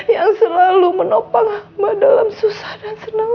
yang selalu menopang ma dalam susah dan senang